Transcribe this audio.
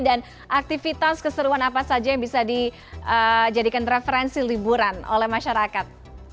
dan aktivitas keseruan apa saja yang bisa dijadikan referensi liburan oleh masyarakat